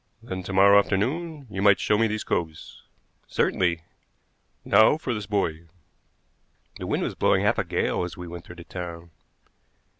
"Then to morrow afternoon you might show me these coves." "Certainly." "Now for this boy." The wind was blowing half a gale as we went through the town.